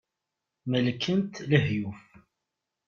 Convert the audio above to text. Melken-t lehyuf.